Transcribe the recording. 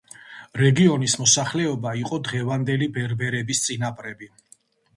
რეგიონის მოსახლეობა იყო დღევანდელი ბერბერების წინაპრები.